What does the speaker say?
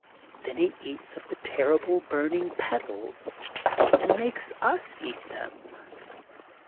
Then he eats of the terrible burning petals and makes us eat them.